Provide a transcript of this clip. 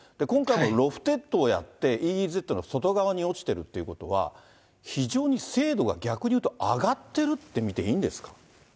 今回もロフテッドをやって、ＥＥＺの外側に落ちてるっていうことは、非常に精度が、逆にいうと上がってるって見ていいんですか。